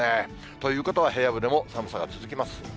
ということは平野部でも寒さが続きます。